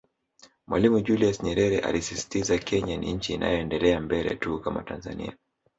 Mwalimu Julius Nyerere alisisitiza Kenya ni nchi inayoendelea mbele tu kama Tanzania